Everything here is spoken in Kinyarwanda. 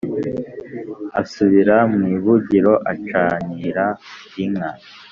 asubira mwibugiro acanira inka